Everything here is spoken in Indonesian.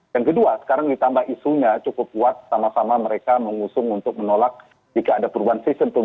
yang kedua sekarang ditambah isunya cukup kuat sama sama mereka mengusung untuk menolak jika ada perubahan sistem pemilu